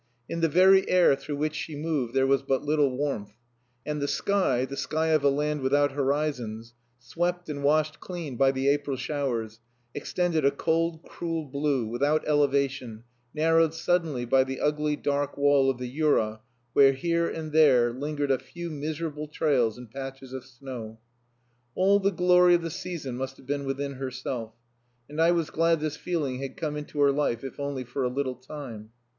In the very air through which she moved there was but little warmth; and the sky, the sky of a land without horizons, swept and washed clean by the April showers, extended a cold cruel blue, without elevation, narrowed suddenly by the ugly, dark wall of the Jura where, here and there, lingered yet a few miserable trails and patches of snow. All the glory of the season must have been within herself and I was glad this feeling had come into her life, if only for a little time.